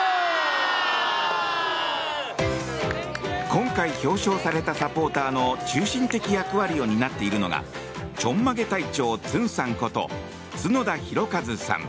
今回、表彰されたサポーターの中心的役割を担っているのがちょんまげ隊長ツンさん